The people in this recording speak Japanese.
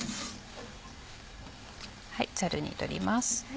ざるに取ります。